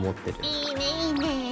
いいねいいね。